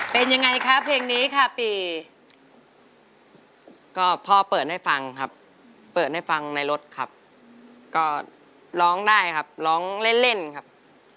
เป็นยังไงครับเพลงนี้ค่ะปีก็พ่อเปิดให้ฟังครับเปิดให้ฟังในรถครับก็ร้องได้ครับร้องเล่นเล่นครับ